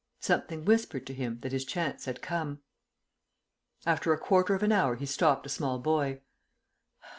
Something whispered to him that his chance had come. After a quarter of an hour he stopped a small boy.